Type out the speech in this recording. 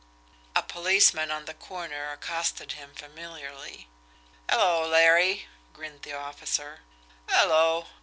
A policeman on the corner accosted him familiarly. "Hello, Larry!" grinned the officer. "'Ello!"